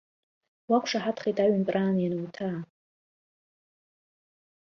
Уақәшаҳаҭхеит аҩынтә раан иануҭаа?